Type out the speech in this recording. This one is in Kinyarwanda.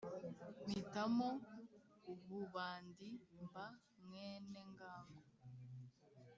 mpitamo ububandi mba mwenengango